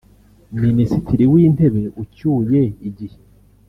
Minisitiri w’ intebe ucyuye igihe